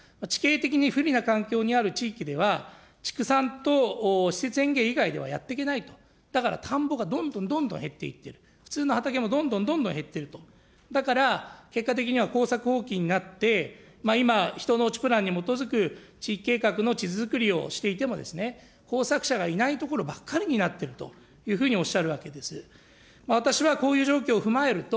この座談会に農業委員の方が出席をされていたんですが、地形的に不利な環境にある地域では、畜産と園芸以外ではやっていけないと、だから田んぼがどんどんどんどん減っていっていると、普通の畑もどんどんどんどん減っていると、だから、結果的には耕作放棄になって、今、ひと農地プランに基づく地域計画の地図作りをしていても、耕作者がいない所ばっかりになっているというふうにおっしゃるわけです。